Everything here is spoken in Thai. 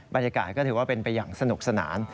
บรรยากาศก็ถือว่าเป็นไปอย่างสนุกสนาน